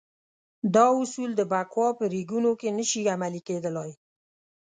دا اصول د بکواه په ریګونو کې نه شي عملي کېدلای.